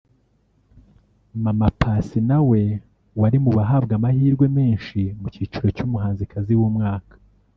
Mama Paccy na we wari mu bahabwa amahirwe menshi mu cyiciro cy'umuhanzikazi w'umwaka